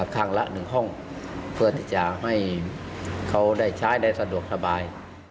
ข้างละ๑ห้องเพื่อที่จะให้เขาได้ใช้ได้สะดวกสบาย